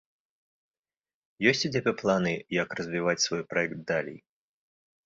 Ёсць у цябе планы, як развіваць свой праект далей?